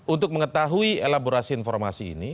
untuk mengetahui elaborasi informasi ini